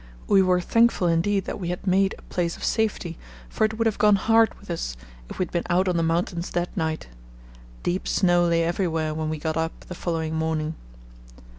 We were thankful indeed that we had made a place of safety, for it would have gone hard with us if we had been out on the mountains that night. Deep snow lay everywhere when we got up the following morning.